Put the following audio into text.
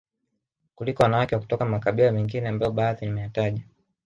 kuliko wanawake wa kutoka makabila mendine ambayo badhi nimeyataja